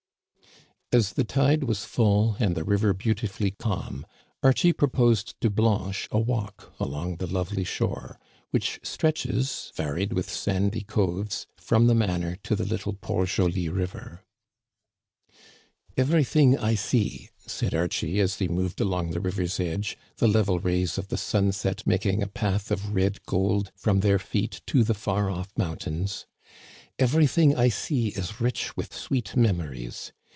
As the tide was full and the river beautifully calm, Archie proposed to Blanche a walk along the lovely shore, which stretches— varied with sandy coves — from the manor to the little Port Joli River. " Everything I see," said Archie, as they moved along the river's edge, the level rays of the sunset making a path of red gold from their feet to the far off mountains, everything I see is rich with sweet memories.